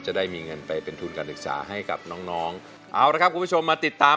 จะได้มีเงินไปเป็นทุนการศึกษาให้กับน้องน้องเอาละครับคุณผู้ชมมาติดตาม